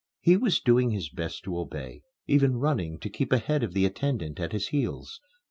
He was doing his best to obey, even running to keep ahead of the attendant at his heels.